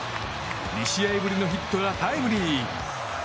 ２試合ぶりのヒットがタイムリー。